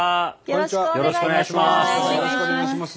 よろしくお願いします。